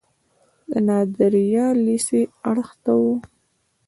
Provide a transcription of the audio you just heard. د نادریه لیسې اړخ ته و.